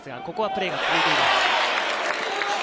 ここはプレーが続いています。